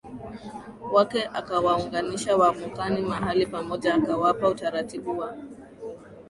wake akawaunganisha wamonaki mahali pamoja akawapa utaratibu wa